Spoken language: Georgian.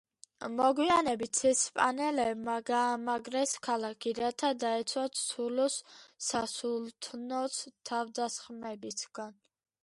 მოგვიანებით ესპანელებმა გაამაგრეს ქალაქი, რათა დაეცვათ სულუს სასულთნოს თავდასხმებისაგან.